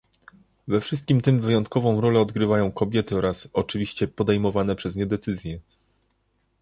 We wszystkim tym wyjątkową rolę odgrywają kobiety oraz oczywiście podejmowane przez nie decyzje